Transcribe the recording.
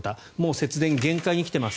節電限界に来ています。